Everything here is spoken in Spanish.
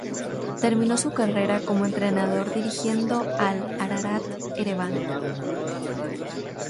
Terminó su carrera como entrenador dirigiendo al Ararat Ereván.